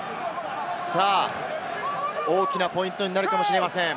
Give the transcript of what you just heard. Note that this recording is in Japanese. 大きなポイントになるかもしれません。